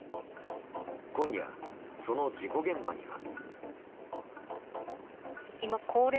今夜、その事故現場には。